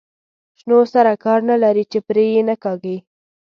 شنو سره کار نه لري چې پرې یې نه کاږي.